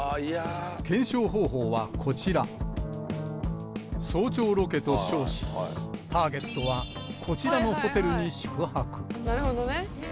検証方法はこちら早朝ロケと称しターゲットはこちらのなるほどね。